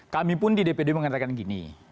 kami pun di dpd mengatakan gini